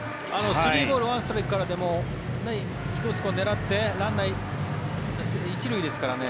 ３ボール１ストライクからでも１つ、狙ってランナー、１塁ですからね。